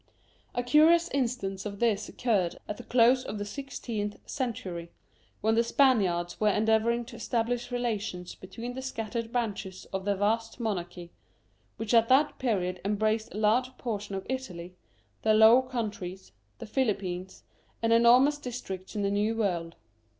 A curious instance of this occurred at the close of the sixteenth century, when the Spaniards were endeavouring to establish relations between the scattered branches of their vast monarchy, which at that period embraced a large portion of Italy, the Low Countries, the Philippines, and enormous dis tricts in the New World.